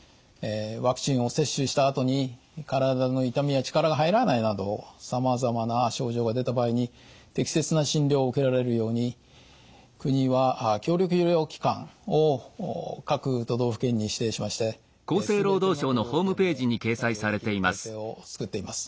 ワクチンを接種したあとに体の痛みや力が入らないなどさまざまな症状が出た場合に適切な診療を受けられるように国は協力医療機関を各都道府県に指定しまして全ての都道府県で対応できる体制を作っています。